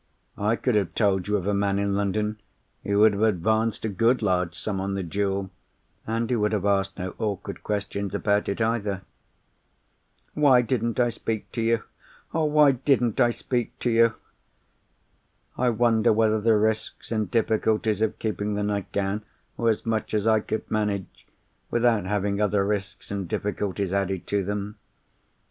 I could have told you of a man in London who would have advanced a good large sum on the jewel, and who would have asked no awkward questions about it either. "Why didn't I speak to you! why didn't I speak to you! "I wonder whether the risks and difficulties of keeping the nightgown were as much as I could manage, without having other risks and difficulties added to them?